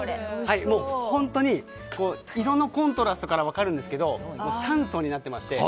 本当に色のコントラストから分かるんですけど３層になっていまして